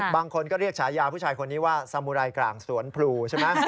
บางคนก็เรียกฉายาผู้ชายคนนี้ว่าสมุไรกลางสวนพลูใช่ไหม